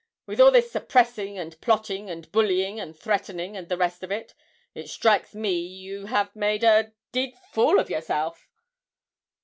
With all this suppressing, and plotting, and bullying, and threatening, and the rest of it it strikes me you have made a d d fool of yourself!'